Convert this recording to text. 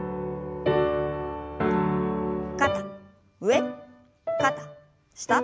肩上肩下。